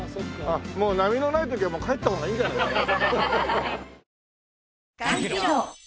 もう波のない時は帰った方がいいんじゃないかな。